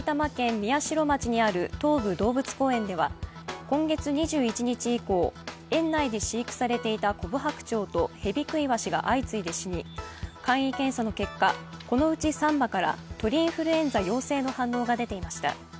宮代町にある東武動物公園では今月２１日以降園内で飼育されていたコブハクチョウとヘビクイワシが相次いで死に簡易検査の結果、このうち３羽から鳥インフルエンザ陽性の反応が出ていました。